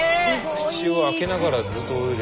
口を開けながらずっと泳いでる。